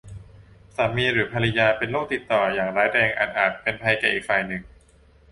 สามีหรือภริยาเป็นโรคติดต่ออย่างร้ายแรงอันอาจเป็นภัยแก่อีกฝ่ายหนึ่ง